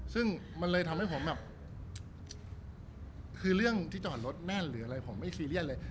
ซึ่งมันเลยทำให้ผมแบบคือเรื่องที่จอดรถแม่นหรืออะไรผมไม่ซีเรียสเลย